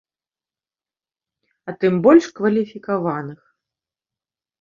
А тым больш кваліфікаваных.